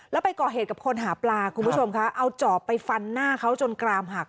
แล้วไปก่อเหตุกับคนหาปลาคุณผู้ชมคะเอาจอบไปฟันหน้าเขาจนกรามหัก